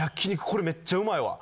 これめっちゃうまいわ！